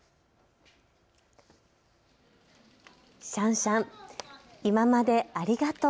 シャンシャン、今までありがとう。